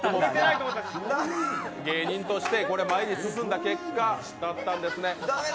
芸人として前に進んだ結果だったんですね。